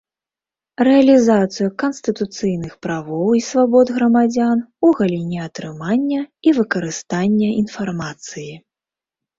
Рэалiзацыю канстытуцыйных правоў i свабод грамадзян у галiне атрымання i выкарыстання iнфармацыi.